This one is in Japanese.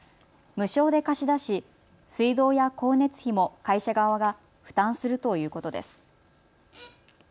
無償で貸し出し水道や光熱費も会社側が負担するということです。